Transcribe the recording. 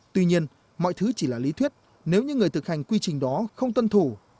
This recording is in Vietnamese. tuy nhiên mọi thứ chỉ là lý thuyết nếu những người thực hành quy trình đó không tuân thủ